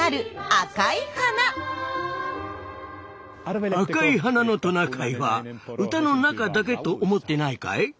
赤い鼻のトナカイは歌の中だけと思ってないかい？